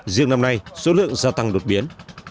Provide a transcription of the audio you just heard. riêng năm nay số lượng gia tăng đột biến